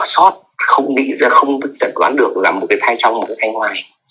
sọt không nghĩ ra không đoán được là một cái thai trong một cái thai ngoài